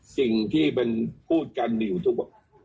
สิ่งที่เป็นพูดกันอยู่ทุกวัน